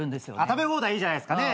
食べ放題いいじゃないですかね。